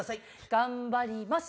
頑張ります！